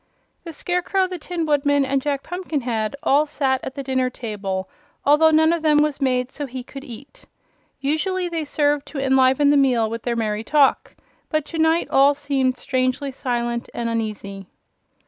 The Scarecrow, the Tin Woodman and Jack Pumpkinhead all sat at the dinner table, although none of them was made so he could eat. Usually they served to enliven the meal with their merry talk, but to night all seemed strangely silent and uneasy.